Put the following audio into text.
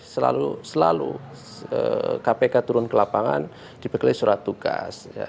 selalu kpk turun ke lapangan dibekali surat tugas